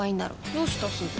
どうしたすず？